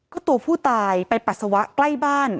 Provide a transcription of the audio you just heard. ก็ตัวผู้ตายไปปัสสาวะใกล้บ้าน